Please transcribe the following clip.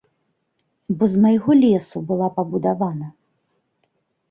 Бо з майго лесу была пабудавана.